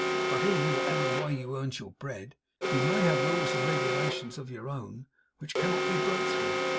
But in whatever way you earns your bread, you may have rules and regulations of your own which cannot be broke through.